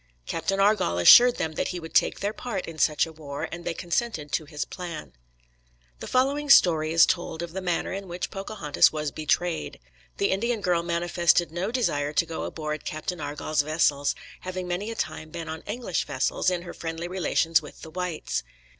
Captain Argall assured them that he would take their part in such a war, and they consented to his plan. The following story is told of the manner in which Pocahontas was betrayed. The Indian girl manifested no desire to go aboard Captain Argall's vessels, having many a time been on English vessels, in her friendly relations with the whites.